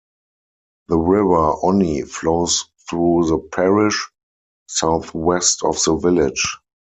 The River Onny flows through the parish, southwest of the village.